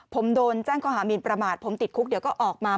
ผมโดนแจ้งข้อหามินประมาทผมติดคุกเดี๋ยวก็ออกมา